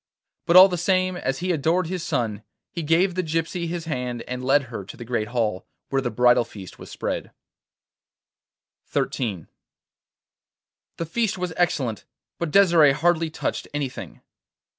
But all the same, as he adored his son, he gave the gypsy his hand and led her to the great hall, where the bridal feast was spread. XIII The feast was excellent, but Desire hardly touched anything.